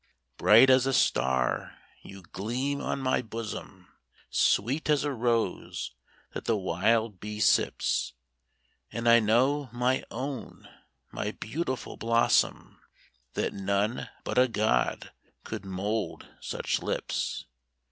Bright as a star you gleam on my bosom, Sweet as a rose that the wild bee sips; And I know, my own, my beautiful blossom, That none but a God could mould such lips.